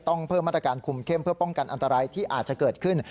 ต้องเพิ่มมาตรการคุมเข้มเพื่อป้องกันอันตรายที่อาจจะเกิดขึ้น